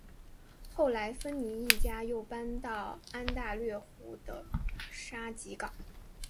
后来芬尼一家又搬到安大略湖的沙吉港。